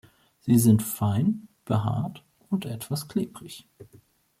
Sie sind fein behaart und etwas klebrig.